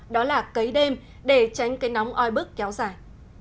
đó là cấy đêm để tránh cái nóng oi bức kéo dài